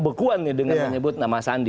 bekuan nih dengan menyebut nama sandi